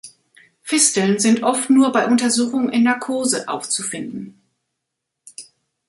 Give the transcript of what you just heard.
Fisteln sind oft nur bei Untersuchung in Narkose aufzufinden.